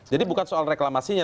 jadi bukan soal reklamasinya